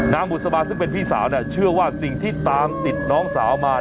บุษบาซึ่งเป็นพี่สาวเชื่อว่าสิ่งที่ตามติดน้องสาวมา